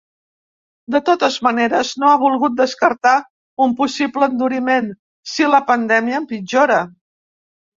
De totes maneres, no ha volgut descartar un possible enduriment, si la pandèmia empitjora.